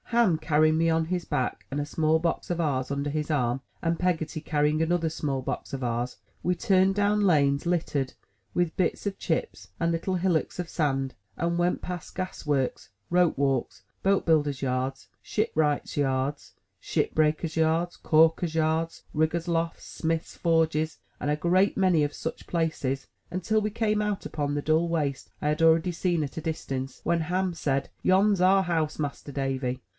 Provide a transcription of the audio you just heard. Ham carrying me on his back and a small box of ours under his arm, and Peggotty carrying another small box of ours, we turned down lanes littered with bits of chips and little hillocks of sand, and went past gas works, rope walks, boat builders' yards, shipwrights' yards, ship breakers' yards, calkers' yards riggers' lofts, smiths' forges, and a great many of such places, until we came out upon the dull waste I had already seen at a distance; when Ham said, Yon's our house. Master Davy!"